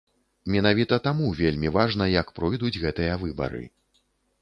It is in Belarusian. Менавіта таму вельмі важна, як пройдуць гэтыя выбары.